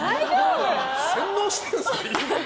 洗脳してるんですか。